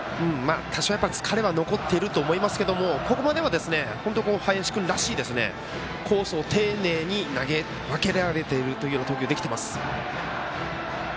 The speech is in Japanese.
多少、疲れは残っていると思いますけど、ここまでは林君らしいコースを丁寧に投げ分けられているという投球できています。